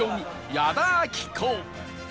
矢田亜希子